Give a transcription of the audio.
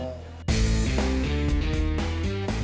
buat balapan kamu